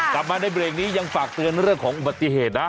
กลับมาในเบรกนี้ยังฝากเตือนเรื่องของอุบัติเหตุนะ